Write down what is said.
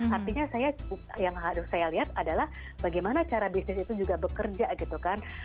artinya saya yang harus saya lihat adalah bagaimana cara bisnis itu juga bekerja gitu kan